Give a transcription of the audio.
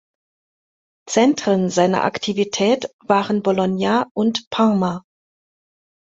Zentren seiner Aktivität waren Bologna und Parma.